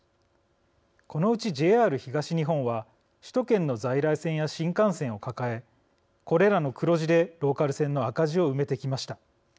このうちＪＲ東日本は首都圏の在来線や新幹線を抱えこれらの黒字でローカル線の赤字を埋めてきました。